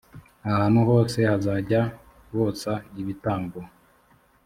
ahantu hose bazajya bosa ibitambo